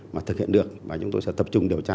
mà thực hiện được và chúng tôi sẽ tập trung điều tra